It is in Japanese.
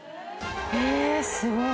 えぇすごい。